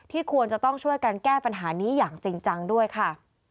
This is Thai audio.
ควรจะต้องช่วยกันแก้ปัญหานี้อย่างจริงจังด้วยค่ะ